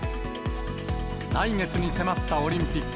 来月に迫ったオリンピック。